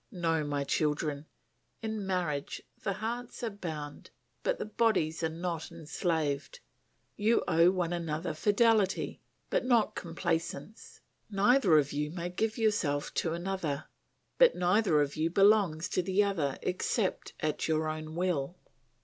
No, my children, in marriage the hearts are bound, but the bodies are not enslaved. You owe one another fidelity, but not complaisance. Neither of you may give yourself to another, but neither of you belongs to the other except at your own will.